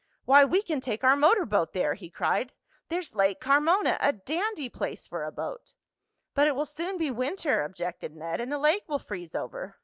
why, we can take our motor boat there!" he cried. "There's Lake Carmona a dandy place for a boat." "But it will soon be winter," objected Ned, "and the lake will freeze over."